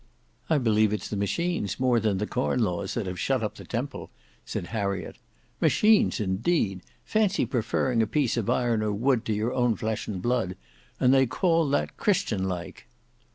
"I believe it's the machines more than the Corn Laws that have shut up the Temple," said Harriet. "Machines, indeed! Fancy preferring a piece of iron or wood to your own flesh and blood. And they call that Christianlike!"